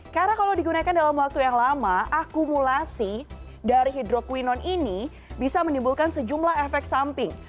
karena kalau digunakan dalam waktu yang lama akumulasi dari hidroquinone ini bisa menimbulkan sejumlah efek samping